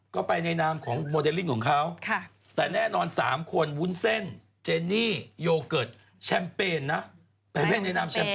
ก็ไปในนามของโมเดลลิ่งของเขาแต่แน่นอน๓คนวุ้นเส้นเจนี่โยเกิร์ตแชมเปญนะ